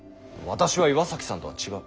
私は岩崎さんとは違う！